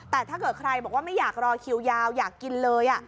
แต่ถ้าเกิดใครบอกว่าไม่อยากรอคิวยาวอยากกินเลย